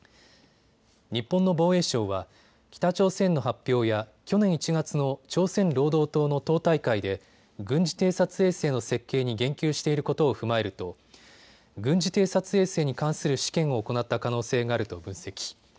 日本の防衛省は北朝鮮の発表や去年１月の朝鮮労働党の党大会で軍事偵察衛星の設計に言及していることを踏まえると軍事偵察衛星に関する試験を行った可能性があると分析。